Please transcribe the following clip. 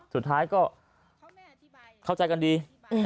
สุดท้ายก็เข้าใจกันดี